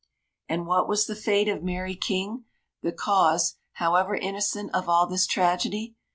And what was the fate of Mary King, the cause, however innocent, of all this tragedy?